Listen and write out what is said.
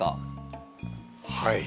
はい。